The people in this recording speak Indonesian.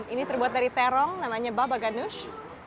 ini terbuat dari terong namanya baba ganoush